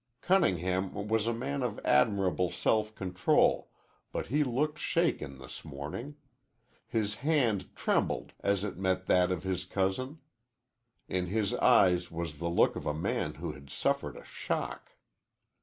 Cunningham was a man of admirable self control, but he looked shaken this morning. His hand trembled as it met that of his cousin. In his eyes was the look of a man who has suffered a shock.